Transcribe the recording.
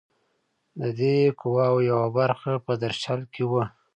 د دې قواوو یوه برخه په درشل کې وه.